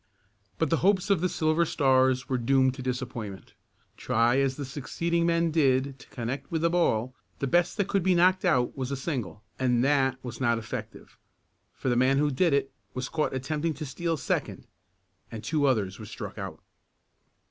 But the hopes of the Silver Stars were doomed to disappointment. Try as the succeeding men did to connect with the ball, the best that could be knocked out was a single, and that was not effective, for the man who did it was caught attempting to steal second and two others were struck out.